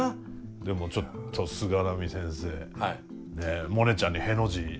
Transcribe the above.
でもちょっと菅波先生モネちゃんにへの字。